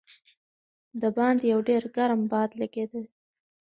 د باندې یو ډېر ګرم باد لګېده.